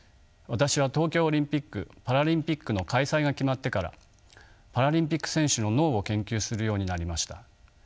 私は東京オリンピック・パラリンピックの開催が決まってからパラリンピック選手の脳を研究するようになりました。